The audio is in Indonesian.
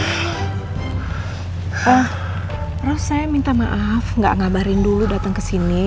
terus saya minta maaf gak ngabarin dulu datang ke sini